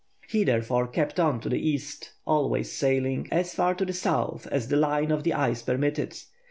He, therefore, kept on to the east, always sailing as far to the south as the line of the ice permitted.